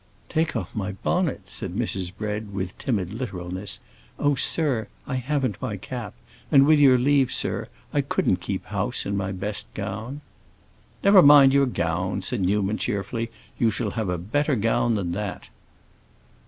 "Take off my bonnet?" said Mrs. Bread, with timid literalness. "Oh, sir, I haven't my cap. And with your leave, sir, I couldn't keep house in my best gown." "Never mind your gown," said Newman, cheerfully. "You shall have a better gown than that."